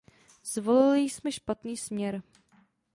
Zvolili jsme špatný směr.